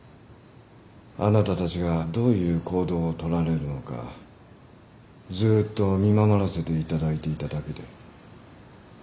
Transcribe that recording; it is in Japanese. あなたたちがどういう行動をとられるのかずっと見守らせていただいていただけで。